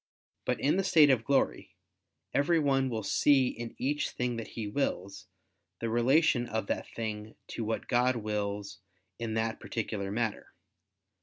But in the state of glory, every one will see in each thing that he wills, the relation of that thing to what God wills in that particular matter.